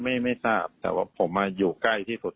ไม่ไม่ทราบแต่ว่าผมมาอยู่ใกล้ที่สุด